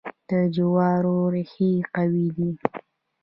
د جوارو ریښې قوي دي.